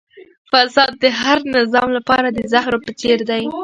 فساد د هر نظام لپاره د زهرو په څېر دی.